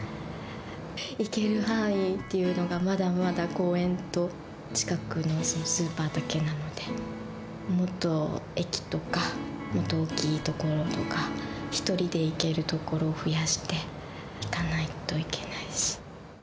行ける範囲というのがまだまだ公園と、近くのスーパーだけなので、もっと駅とか、もっと大きいところとか、１人で行けるところを増やしていかないといけないし。